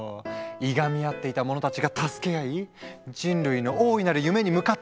いがみ合っていた者たちが助け合い人類の大いなる夢に向かって突き進む！